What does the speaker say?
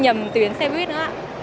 có khi bị nhầm tuyến xe buýt nữa ạ